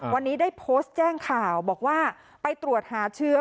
วันนี้ได้โพสต์แจ้งข่าวบอกว่าไปตรวจหาเชื้อ